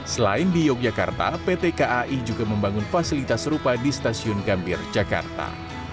selain di yogyakarta pt kai juga membangun fasilitas serupa di stasiun gambir jakarta